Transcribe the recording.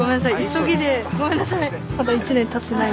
急ぎでごめんなさい。